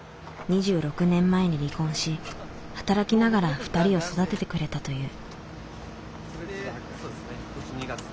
２６年前に離婚し働きながら２人を育ててくれたという。